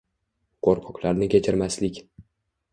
Qo’rqoqlarni kechirmaslik